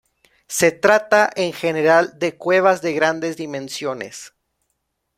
Se trata, en general, de cuevas de grandes dimensiones.